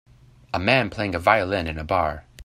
A man playing a violin in a bar.